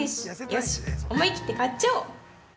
よし、思いきって買っちゃおう！